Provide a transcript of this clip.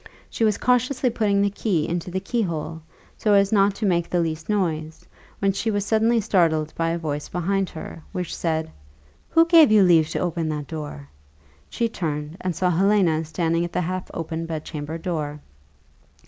She was cautiously putting the key into the key hole, so as not to make the least noise, when she was suddenly startled by a voice behind her, which said, "Who gave you leave to open that door?" She turned, and saw Helena standing at the half open bedchamber door.